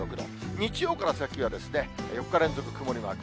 日曜から先は４日連続曇りマーク。